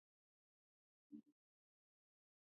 ژبې د افغان ځوانانو لپاره یوه دلچسپي لري.